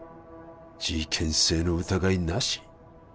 事件性の疑いなし？